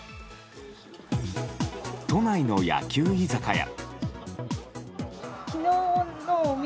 都内の野球居酒屋。